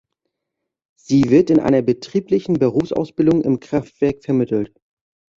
Sie wird in einer betrieblichen Berufsausbildung im Kraftwerk vermittelt.